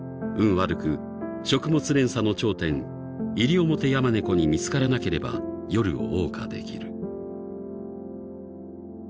悪く食物連鎖の頂点イリオモテヤマネコに見つからなければ夜を謳歌できる］